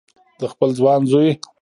د خپل ځوان زوی